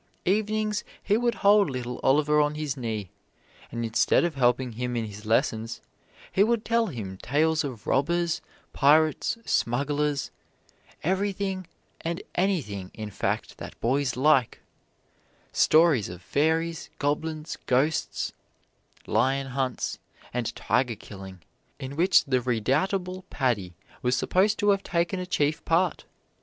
Evenings he would hold little Oliver on his knee, and instead of helping him in his lessons would tell him tales of robbers, pirates, smugglers everything and anything in fact that boys like: stories of fairies, goblins, ghosts; lion hunts and tiger killing in which the redoubtable Paddy was supposed to have taken a chief part.